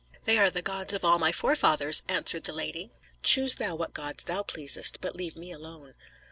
"They are the gods of all my forefathers," answered the lady; "choose thou what gods thou pleasest, but leave me mine."